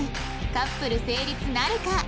カップル成立なるか？